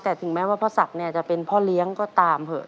แต่ถึงแม้ว่าพ่อศักดิ์เนี่ยจะเป็นพ่อเลี้ยงก็ตามเถอะ